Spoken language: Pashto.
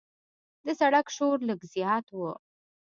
د سړک شور لږ زیات و.